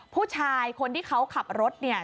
ผู้ชายคนที่เขาขับรถเนี่ย